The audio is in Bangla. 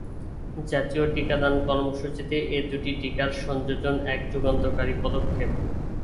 জাতীয় টিকাদান কর্মসূচিতে এ দুটি টিকার সংযোজন এক যুগান্তকারী পদক্ষেপ।